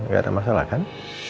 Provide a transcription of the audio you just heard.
gak ada masalah kan